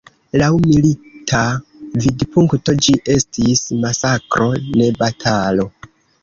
Laŭ milita vidpunkto, ĝi estis masakro, ne batalo.